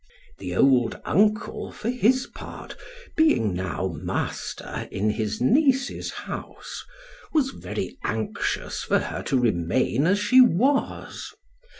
The old uncle, for his part, being now master in his niece's house, was very anxious for her to remain as she was.